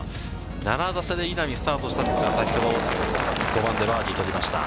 ７打差で稲見、スタートしたんですが、先ほど５番でバーディー取りました。